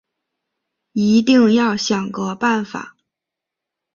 一定要想个办法